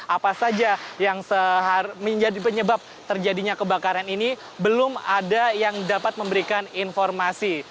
apa saja yang menjadi penyebab terjadinya kebakaran ini belum ada yang dapat memberikan informasi